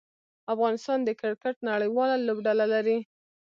افغانستان د کرکټ نړۍواله لوبډله لري.